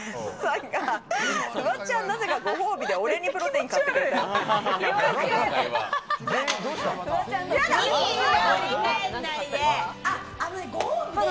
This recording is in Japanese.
フワちゃん、なぜかご褒美に俺にプロテイン買ってくれたよ。